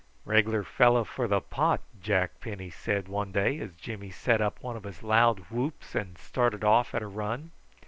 "Regular fellow for the pot," Jack Penny said one day as Jimmy set up one of his loud whoops and started off at a run.